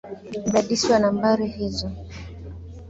Dadisi nambari hizo.